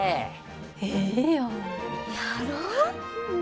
ええやん。